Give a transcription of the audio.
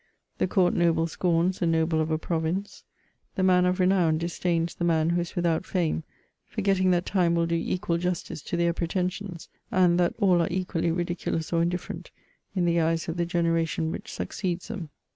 The Court noble scorns the noble of a province; the num of renown disdains the man who is without £ame, forgetting that time will do equal justice to their pretensions, and, that all are equally ridiculous or indi£ferent in the eyes of the generation which succeeds them.